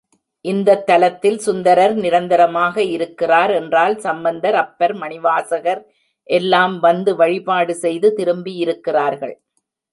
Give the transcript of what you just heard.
இந்தத் தலத்தில் சுந்தரர் நிரந்தரமாக இருந்திருக்கிறார் என்றால் சம்பந்தர், அப்பர், மணிவாசகர் எல்லாம் வந்து வழிபாடு செய்து திரும்பியிருக்கிறார்கள்.